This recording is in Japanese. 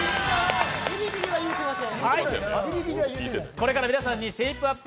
これから皆さんにシェイプアップ！